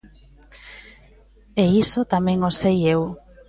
E iso tamén o sei eu.